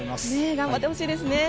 頑張ってほしいですね。